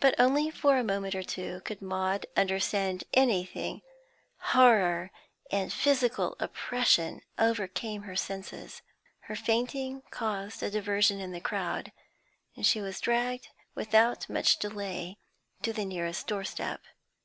But only for a moment or two could Maud understand anything; horror and physical oppression overcame her senses. Her fainting caused a diversion in the crowd, and she was dragged without much delay to the nearest doorstep.